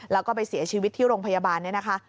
แล้วก็ไปเสียชีวิตที่โรงพยาบาลเนี่ยนะคะ